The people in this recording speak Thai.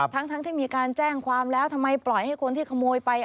ทั้งที่มีการแจ้งความแล้วทำไมปล่อยให้คนที่ขโมยไป